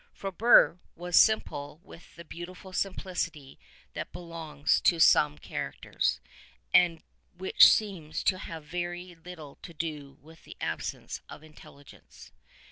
Frobert was simple with the beautiful simplicity that belongs to some characters, and which seems to have very little to do with the absence of intelligence.